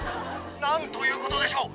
「何ということでしょう